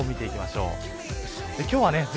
予報を見ていきましょう。